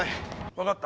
わかった。